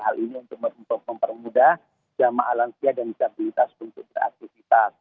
hal ini untuk mempermudah jamaah lansia dan disabilitas untuk beraktivitas